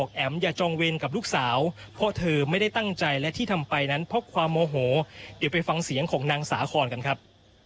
ขอบคุณครับ